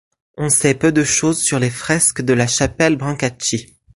On sait peu de choses sur les fresques de la chapelle Brancacci.